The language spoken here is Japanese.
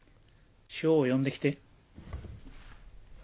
汐を呼んで来て。